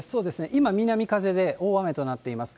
今、南風で大雨となっています。